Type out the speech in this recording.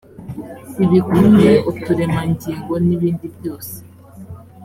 ibikumwe uturemangingo n ibindi byose